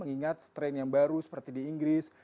mengingat strain yang baru seperti di inggris